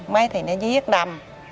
mấy thằng nó giết đầm